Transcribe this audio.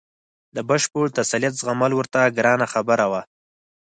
د بشپړ تسلط زغمل ورته ګرانه خبره وه.